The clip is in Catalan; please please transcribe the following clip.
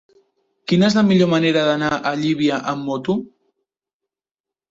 Quina és la millor manera d'anar a Llívia amb moto?